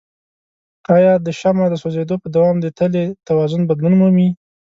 آیا د شمع د سوځیدو په دوام د تلې توازن بدلون مومي؟